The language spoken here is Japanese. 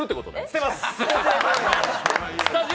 捨てます。